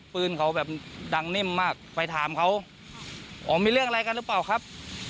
ปืนเขาแบบดังนิ่มมากไปถามเขาอ๋อมีเรื่องอะไรกันหรือเปล่าครับ